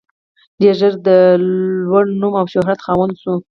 ډېر ژر د لوړ نوم او شهرت خاوند شو.